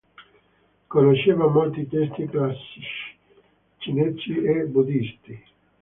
Conosceva molti testi classici cinesi e buddhisti.